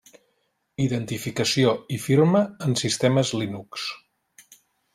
Identificació i firma en sistemes Linux.